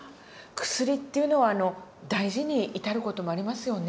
薬っていうのは大事に至る事もありますよね。